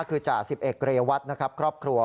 คือจ่า๑๑เรยวัฒน์ครอบครัว